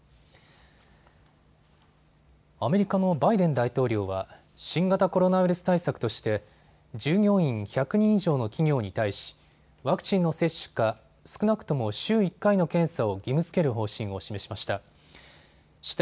アメリカのバイデン大統領は新型コロナウイルス対策として従業員１００人以上の企業に対しワクチンの接種か少なくとも週１回の検査を義務づける方針を示しました。